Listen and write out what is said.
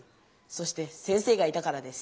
そして先生がいたからです。